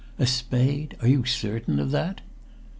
"A spade! Are you certain of that?"